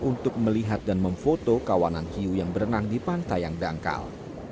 untuk melihat dan memfoto kawanan hiu yang berenang di pantai yang dangkal